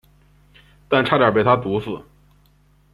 但差点被他毒死。